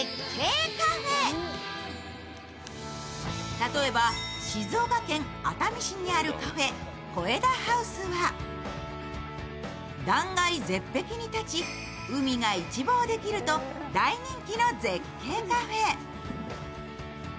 例えば静岡県熱海市にあるカフェ・ＣＯＥＤＡＨＯＵＳＥは断崖絶壁に建ち、海が一望できると大人気の絶景カフェ。